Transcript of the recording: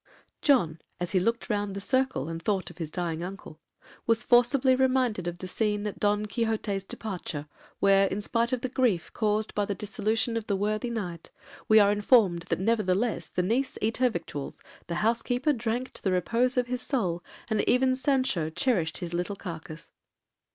John, as he looked round the circle, and thought of his dying uncle, was forcibly reminded of the scene at Don Quixote's departure, where, in spite of the grief caused by the dissolution of the worthy knight, we are informed that 'nevertheless the niece eat her victuals, the housekeeper drank to the repose of his soul, and even Sancho cherished his little carcase.'